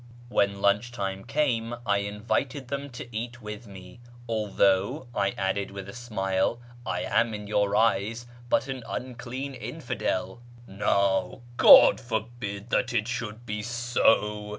Wlien lunch time came I invited them 0 eat with me, " although," I added with a smile, " I am in 'our eyes but an unclean infidel." " Now God forbid that it hould be so